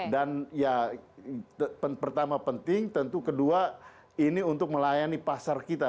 dan ya pertama penting tentu kedua ini untuk melayani pasar kita